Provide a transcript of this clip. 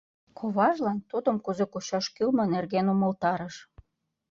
Коважлан тудым кузе кучаш кӱлмӧ нерген умылтарыш.